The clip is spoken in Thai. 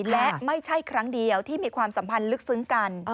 และไม่ใช่ครั้งเดียวที่มีความสัมพันธ์ลึกซึ้งกัน